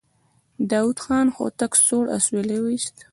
داوود خان هوتک سوړ اسويلی وايست.